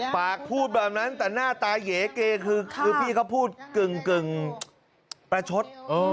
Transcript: พูดแบบนั้นแต่หน้าตาเหยเกคือพี่เขาพูดกึ่งประชด